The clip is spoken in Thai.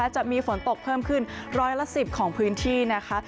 จะมีฝนตกเพิ่มขึ้นร้อยละ๑๐ของพื้นที่นะคะ